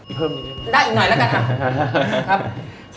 อีกเพิ่มนิดนึงได้อีกหน่อยแล้วกันครับครับ